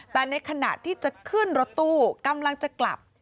แต่ในขณะที่จะขึ้นรถตู้กำลังจะกลับ